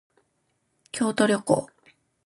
京都旅行